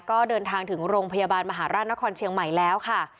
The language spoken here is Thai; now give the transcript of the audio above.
ก็เดินทางถึงโรงพยาบาลมหาราชนครเชียงใหม่แล้วค่ะ